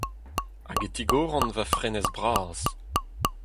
Hag e tigoran va fenestr bras.